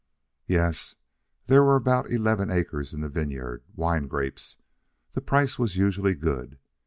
Yes, there were about eleven acres in the vineyard wine grapes. The price was usually good.